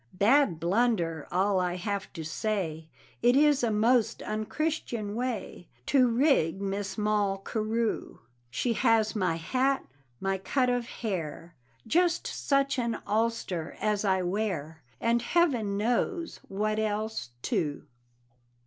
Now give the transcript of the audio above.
Bad blunder all I have to say, It is a most unchristian way To rig Miss Moll Carew She has my hat, my cut of hair, Just such an ulster as I wear, And heaven knows what else, too.